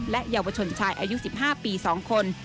เยาวชนชายอายุ๑๕ปี๒คน